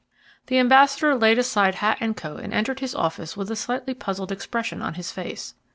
The ambassador laid aside hat and coat and entered his office with a slightly puzzled expression on his face.